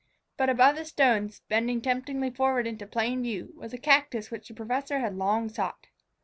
But above the stones, bending temptingly forward into plain view, was a cactus which the professor had long sought.